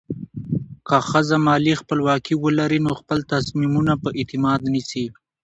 که ښځه مالي خپلواکي ولري، نو خپل تصمیمونه په اعتماد نیسي.